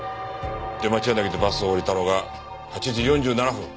出町柳でバスを降りたのが８時４７分。